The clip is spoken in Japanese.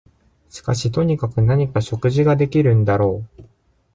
しかしとにかく何か食事ができるんだろう